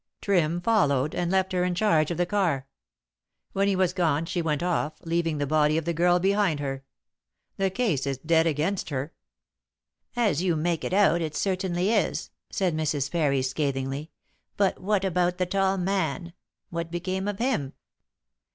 Trim followed, and left her in charge of the car. When he was gone she went off, leaving the body of the girl behind her. The case is dead against her." "As you make it out, it certainly is," said Mrs. Parry scathingly. "But what about the tall man what became of him?"